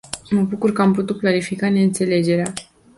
Mă bucur că am putut clarifica neînțelegerea.